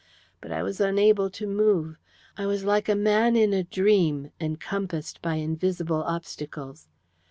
But I was unable to move. I was like a man in a dream, encompassed by invisible obstacles.